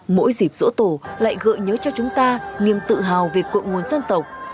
mỗi dịp dỗ tổ lại gợi nhớ cho chúng ta niềm tự hào về cội nguồn dân tộc